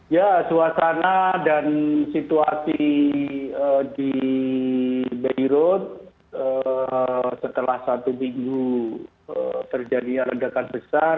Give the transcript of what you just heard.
ya suasana dan situasi di beirut setelah satu minggu terjadi ledakan besar